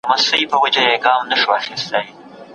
عوامو مجلس څنګه پريکړي کوي؟